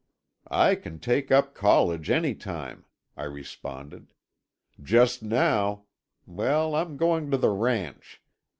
"I can take up college any time," I responded. "Just now—well, I'm going to the ranch.